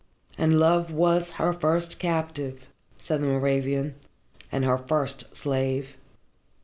"And love was her first captive," said the Moravian, "and her first slave.